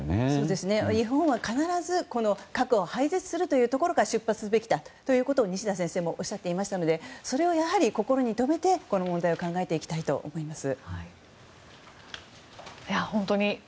日本は必ず核を廃絶すべきだというところから出発すべきだということを西田先生もおっしゃっていましたのでそれはやはり心にとめてこの問題を考えていきたいと思います。